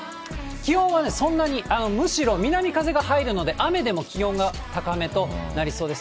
気温はそんなに、むしろ南風が入るので、雨でも気温が高めとなりそうです。